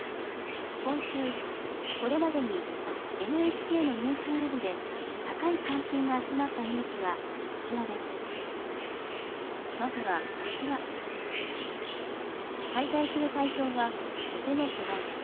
今週、これまでにＮＨＫのニュースウェブで高い関心が集まったニュースはこちらです。